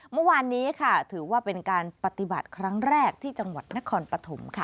เมื่อวานนี้ค่ะถือว่าเป็นการปฏิบัติครั้งแรกที่จังหวัดนครปฐมค่ะ